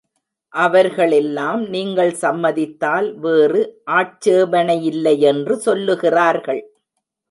அவர்களெல்லாம் நீங்கள் சம்மதித்தால் வேறு ஆட்சேபணையில்லையென்று சொல்லுகிறார்கள்.